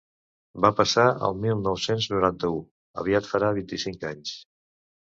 Va passar el mil nou-cents noranta-u: aviat farà vint-i-cinc anys.